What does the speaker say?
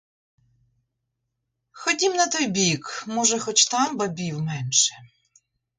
Ходім на той бік, може, хоч там бабів менше.